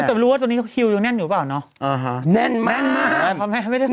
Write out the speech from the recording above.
คุณต้องรู้ว่าตรงนี้คิวยังแน่นอยู่หรือเปล่าเนอะอ่าฮะแน่นมากแน่นมาก